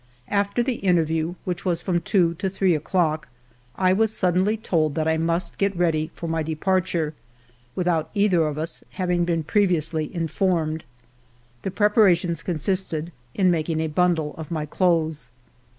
After the interview, which was from two to three o'clock, I was suddenly told that I must get ready for my departure, without either of us having been previ ously informed. The preparations consisted in making a bundle of my clothes.